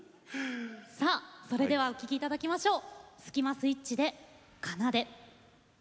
それではお聴きいただきましょう。